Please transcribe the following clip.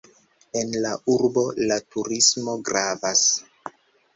En la urbo la turismo gravas.